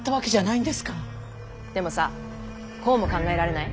でもさぁこうも考えられない？